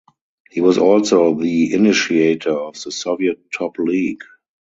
He was also the initiator of the Soviet Top League.